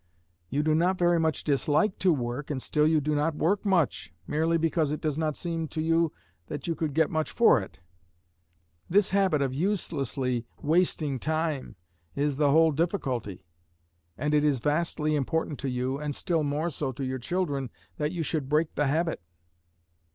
You do not very much dislike to work, and still you do not work much, merely because it does not seem to you that you could get much for it. This habit of uselessly wasting time is the whole difficulty; and it is vastly important to you, and still more so to your children, that you should break the habit.